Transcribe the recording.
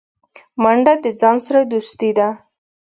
منډه د ځان سره دوستي ده